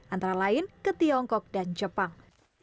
antara lain ke tiongkok dan jepang